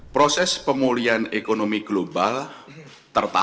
proses pemulihan ekonomi di indonesia